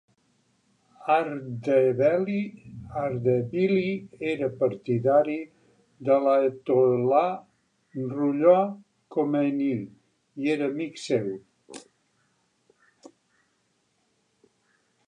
Ardebili era partidari de l'aiatol·là Ruhollah Khomeini i era amic seu.